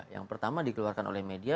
yang pertama dikeluarkan oleh media